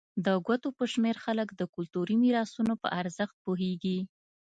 د ګوتو په شمېر خلک د کلتوري میراثونو په ارزښت پوهېږي.